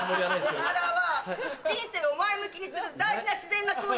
おならは人生を前向きにする大事な自然な行為なんです。